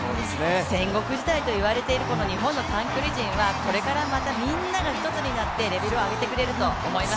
戦国時代といわれている日本の短距離陣はこれからまたみんなが１つになってレベルを上げてくれると思います。